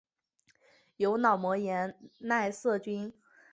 由脑膜炎奈瑟菌。